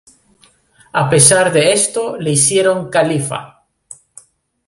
A pesar de esto, le hicieron califa.